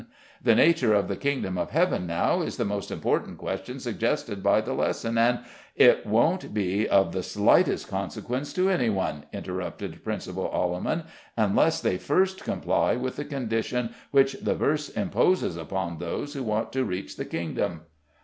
The nature of the kingdom of heaven, now, is the most important question suggested by the lesson, and " "It won't be of the slightest, consequence to any one," interrupted Principal Alleman, "unless they first comply with the condition which the verse imposes upon those who want to reach the kingdom."